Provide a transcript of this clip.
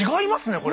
これ。